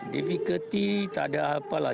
difficulty tak ada apa lah